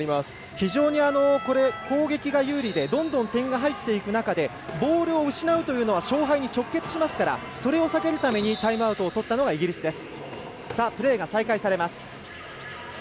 非常に攻撃が有利でどんどん点が入っていく中でボールを失うというのは勝敗に直結しますからそれを避けるためにタイムアウトをとったのがイギリスです。